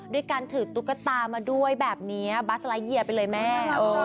ด้วยการถือตุ๊กตามาด้วยแบบนี้บัสไลทเยียไปเลยแม่